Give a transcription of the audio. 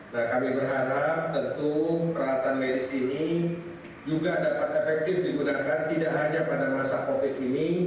nah kami berharap tentu peralatan medis ini juga dapat efektif digunakan tidak hanya pada masa covid ini